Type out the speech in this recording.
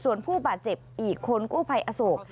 ส่วนผู้บาดเจ็บอีกคนกู้ภัยอโศก